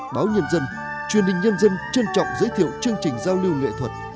báo nhân dân truyền hình nhân dân trân trọng giới thiệu chương trình